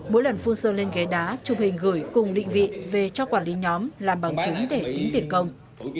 mỗi lần phun sơ lên ghế đá chụp hình gửi cùng định vị về cho quản lý nhóm làm bằng chứng để tính tiền công